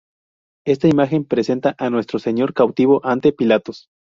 Está imagen representa a Nuestro Señor Cautivo ante Pilatos.